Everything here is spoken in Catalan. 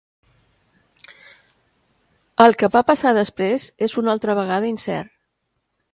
El que va passar després és una altra vegada incert.